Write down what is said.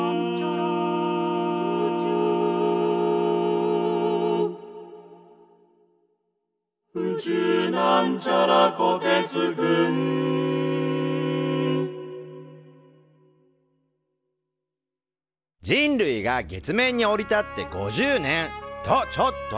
「宇宙」人類が月面に降り立って５０年！とちょっと。